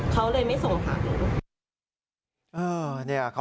เขาเลยไม่ส่งขาดหนู